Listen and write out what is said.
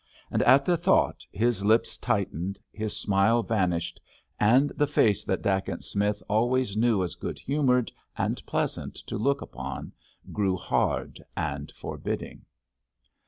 And at the thought his lips tightened, his smile vanished, and the face that Dacent Smith always knew as good humoured and pleasant to look upon, grew hard and forbidding.